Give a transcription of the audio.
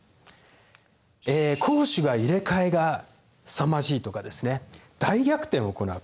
え攻守が入れ替えがすさまじいとかですね大逆転を行う。